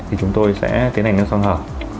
thì chúng tôi sẽ tiến hành nâng xoang hở